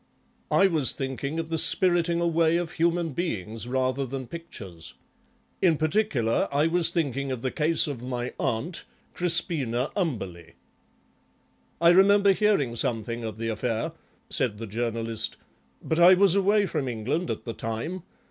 "I was thinking of the spiriting away of human beings rather than pictures. In particular I was thinking of the case of my aunt, Crispina Umberleigh." "I remember hearing something of the affair," said the Journalist, "but I was away from England at the time.